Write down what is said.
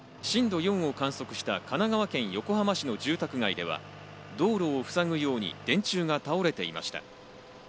震度４を観測した神奈川県横浜市の住宅街では道路をふさぐように電柱が倒れていました。